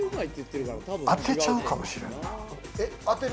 当てちゃうかもしれないな。